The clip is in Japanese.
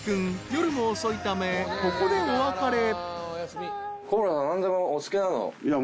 ［夜も遅いためここでお別れ］